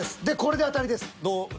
でこれで当たりです。